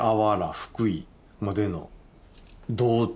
福井までの道中を。